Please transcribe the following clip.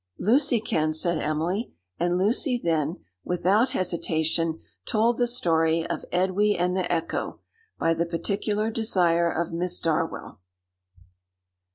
"Lucy can," said Emily; and Lucy then, without hesitation, told the story of "Edwy and the Echo," by the particular desire of Miss Darwell.